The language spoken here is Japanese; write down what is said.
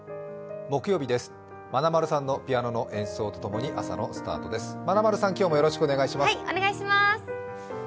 木曜日です、まなまるさんのピアノの演奏とともに朝のスタートです。